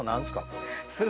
これ。